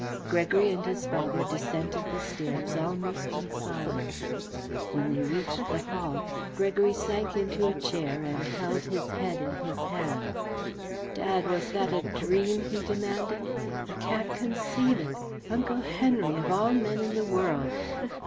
Gregory and his father descended the stairs almost in silence. When they reached the hall, Gregory sank into a chair and held his head in his hands. "Dad, was that a dream?" he demanded. "I can't conceive it. Uncle Henry, of all men in the world!"